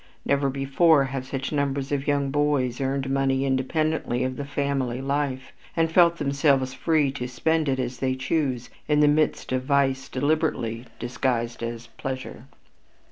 Never before have such numbers of young boys earned money independently of the family life, and felt themselves free to spend it as they choose in the midst of vice deliberately disguised as pleasure.